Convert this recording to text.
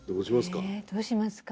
どうしますか？